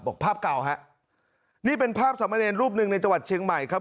บอกภาพเก่าครับนี่เป็นภาพสำเนียนรูปหนึ่งในจังหวัดเชียงใหม่ครับ